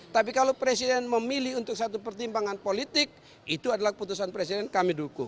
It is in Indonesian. tapi kalau presiden memilih untuk satu pertimbangan politik itu adalah keputusan presiden kami dukung